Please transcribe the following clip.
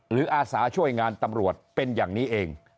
อาสาช่วยงานตำรวจเป็นอย่างนี้เอง